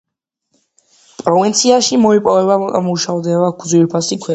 პროვინციაში მოიპოვება და მუშავდება ძვირფასი ქვები.